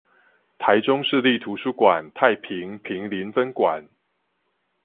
臺中市立圖書館太平坪林分館